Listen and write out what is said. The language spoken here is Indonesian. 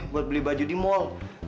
buat beli baju di mall